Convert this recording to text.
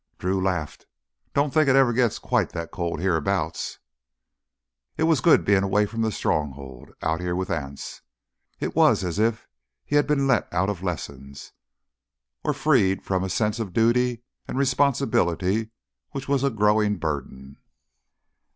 Drew laughed. "Don't think it ever gets quite that cold hereabouts." It was good being away from the Stronghold, out here with Anse. It was as if he had been let out of lessons, or freed from a sense of duty and responsibility which was a growing burden.